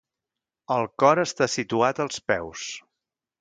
El cor està situat als peus.